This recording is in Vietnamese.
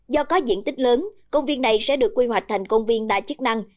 do có diện tích lớn công viên này sẽ được quy hoạch thành công viên đa chức năng